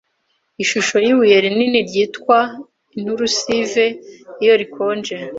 Ishusho yibuye rinini ryitwa inturusive iyo rikonje